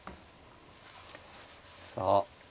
さあ。